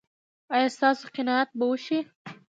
ایا ستاسو قناعت به وشي؟